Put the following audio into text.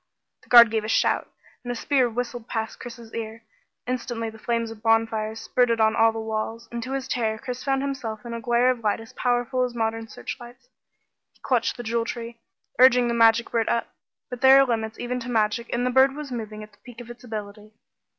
The guard gave a shout, and a spear whistled past Chris's ear. Instantly the flames of bonfires spurted on all the walls, and to his terror Chris found himself in a glare of light as powerful as modern searchlights. He clutched the Jewel Tree, urging the magic bird up, but there are limits even to magic and the bird was moving at the peak of its ability.